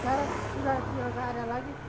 saya sudah tidak ada lagi